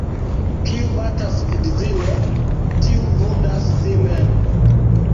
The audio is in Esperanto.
Kiu batas edzinon, tiu vundas sin mem.